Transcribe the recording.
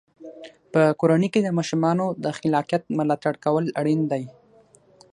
په کورنۍ کې د ماشومانو د خلاقیت ملاتړ کول اړین دی.